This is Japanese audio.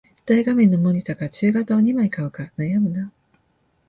大画面のモニタか中型を二枚買うか悩むな